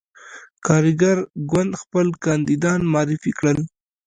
کارګر ګوند خپل کاندیدان معرفي کړل.